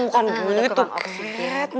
kan gini tuh ket